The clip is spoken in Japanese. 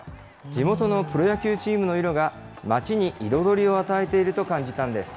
地元のプロ野球チームの色が町に彩りを与えていると感じたんです。